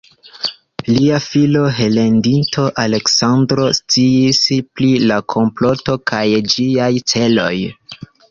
Lia filo, heredinto Aleksandro sciis pri la komploto kaj ĝiaj celoj.